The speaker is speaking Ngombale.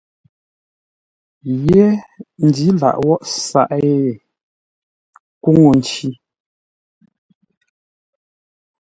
Yé ndǐ lâʼ wóghʼ saghʼ héee kúŋə́-nci.